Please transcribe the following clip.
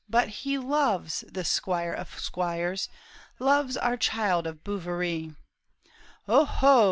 But he loves, this squire of squires, Loves our child of Bouverie !"" O ho